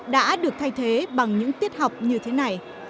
đã được thay thế bằng những tiết học như thế này